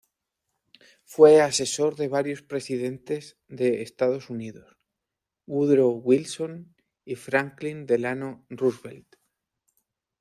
Fue asesor de varios presidentes de Estados Unidos: Woodrow Wilson y Franklin Delano Roosevelt.